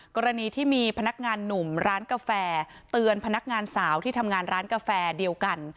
กรณีที่มีพนักงานหนุ่มร้านกาแฟเตือนพนักงานสาวที่ทำงานร้านกาแฟเดียวกัน